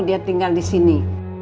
dia tinggal di sini